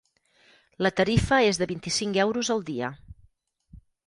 La tarifa és de vint-i-cinc euros al dia.